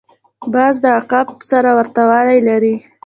باز د عقاب سره ورته والی لري